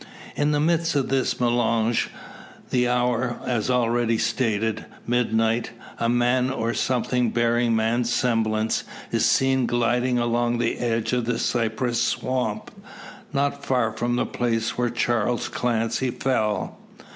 In the midst of this melange, the hour, as already stated, midnight a man, or something bearing man's semblance, is seen gliding along the edge of the cypress swamp, not far from the place where Charles Clancy fell.